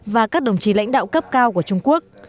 và các đồng chí lãnh đạo cấp cao của trung quốc